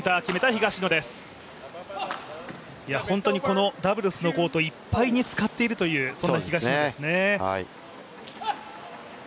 本当にダブルスのコートいっぱいに使っているという、そんな東野ですね。